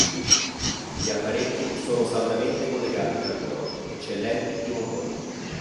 Gli apparecchi sono saldamente collegati tra loro, eccellenti i motori.